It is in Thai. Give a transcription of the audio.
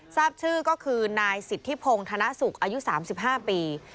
ทราบชื่อก็คือนายสิทธิพงศ์ธนสุขอายุ๓๕ปี